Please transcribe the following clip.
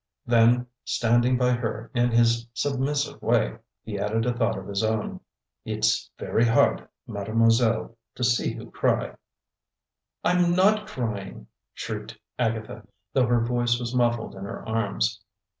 Then, standing by her in his submissive way, he added a thought of his own: "It's very hard, Mademoiselle, to see you cry!" "I'm not crying," shrieked Agatha, though her voice was muffled in her arms.